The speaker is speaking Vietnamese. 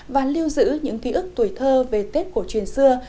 và lưu giữ những thí ức tuổi thơ về tết của truyền xưa